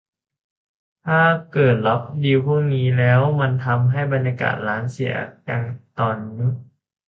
ถ้าเกิดรับดีลพวกนี้แล้วมันทำให้บรรยากาศร้านเราเสีย อย่างตอนนี้